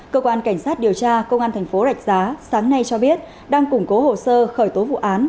cơ quan cảnh sát điều tra công an thành phố rạch giá sáng nay cho biết đang củng cố hồ sơ khởi tố vụ án